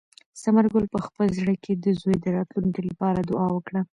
ثمر ګل په خپل زړه کې د زوی د راتلونکي لپاره دعا وکړه.